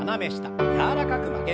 柔らかく曲げます。